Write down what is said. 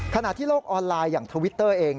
ขณะที่โลกออนไลน์อย่างทวิตเตอร์เอง